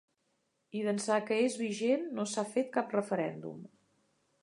I d’ençà que és vigent no s’ha fet cap referèndum.